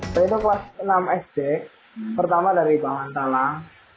saya itu kelas enam sd pertama dari bahan talang